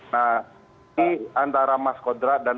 nah ini antara mas kodrat dan